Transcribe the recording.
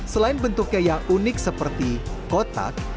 selain bentuknya yang unik seperti kotak